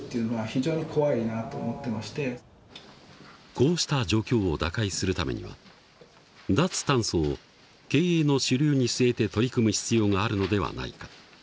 こうした状況を打開するためには脱炭素を経営の主流に据えて取り組む必要があるのではないか。